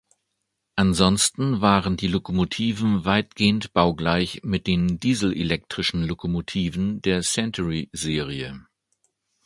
Ansonsten waren die Lokomotiven weitgehend baugleich mit den dieselelektrischen Lokomotiven der Century-Serie.